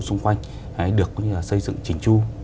xung quanh được xây dựng trình tru